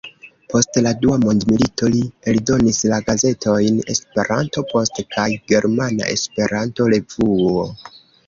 Post la dua mondmilito li eldonis la gazetojn "Esperanto-Post" kaj "Germana Esperanto-Revuo.